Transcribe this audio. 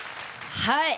はい。